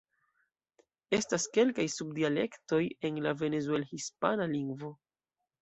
Estas kelkaj sub-dialektoj en la Venezuel-hispana lingvo.